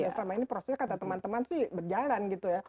ya selama ini prosesnya kata teman teman sih berjalan gitu ya